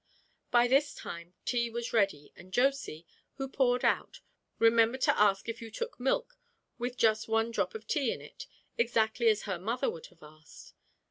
By this time tea was ready, and Josy, who poured out, remembered to ask if you took milk with just one drop of tea in it, exactly as her mother would have asked.